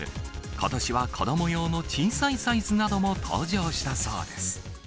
ことしは子ども用の小さいサイズなども登場したそうです。